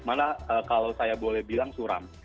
mana kalau saya boleh bilang suram